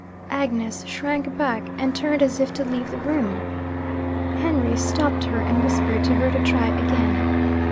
Agnes shrank back, and turned as if to leave the room. Henry stopped her, and whispered to her to try again.